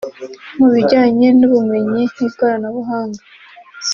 mu bijyanye n’ubumenyi n’ikoranabuhanga